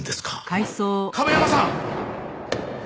亀山さん！